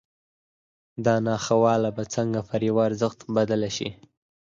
دا ناخواله به څنګه پر یوه ارزښت بدله شي